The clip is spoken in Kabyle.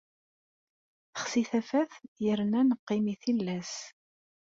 Texsi tafat yerna neqqim i tillas.